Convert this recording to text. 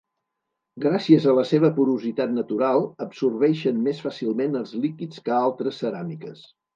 Gràcies a la seva porositat natural, absorbeixen més fàcilment els líquids que altres ceràmiques.